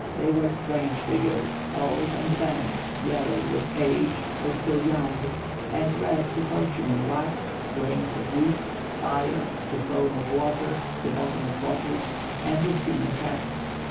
They were strange figures, old and bent, yellow with age, or still young; and read the future in wax, grains of wheat, fire, the foam of water, the bottom of bottles, or in human fat.